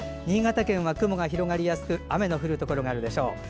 新潟県は雲が広がりやすく雨の降るところがあるでしょう。